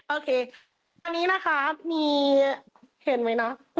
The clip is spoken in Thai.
โอเคอันนี้นะคะมีเห็นไหมเนอะ